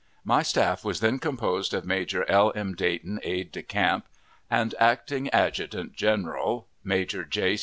My staff was then composed of Major L. M. Dayton, aide de camp and acting adjutant general, Major J.